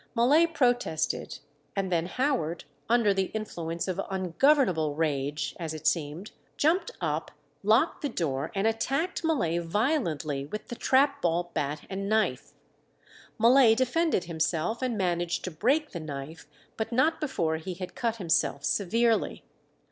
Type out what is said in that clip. Mullay protested, and then Howard, under the influence of ungovernable rage, as it seemed, jumped up, locked the door, and attacked Mullay violently with the trap ball bat and knife. Mullay defended himself, and managed to break the knife, but not before he had cut himself severely.